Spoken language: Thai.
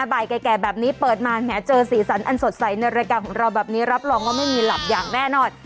แก่แบบนี้เปิดมาแหมเจอสีสันอันสดใสในรายการของเราแบบนี้รับรองว่าไม่มีหลับอย่างแน่นอน